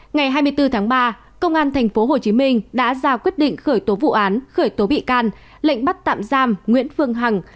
ngày hai mươi bốn tháng ba công an tp hcm đã ra quyết định khởi tố vụ án khởi tố bị can lệnh bắt tạm giam nguyễn phương hằng